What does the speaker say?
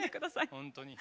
本当に。